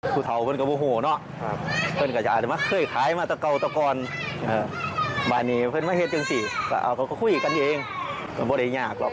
ไปคุยกันเดี๋ยวเองมันไม่ได้ยากหรอก